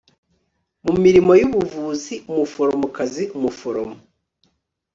mu mirimo y ubuvuzi umuforomokazi umuforomo